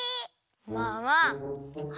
まあまあ。